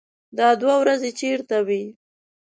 _دا دوې ورځې چېرته وې؟